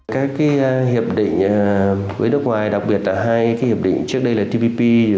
các hiệp định với nước ngoài đặc biệt là hai cái hiệp định trước đây là tpp